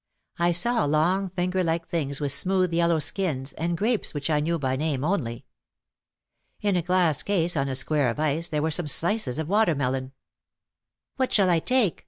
I saw long finger like things with smooth yellow skins, and grapes which I knew by name only. In a glass case on a square of ice there were some slices of watermelon. "What shall I take ?"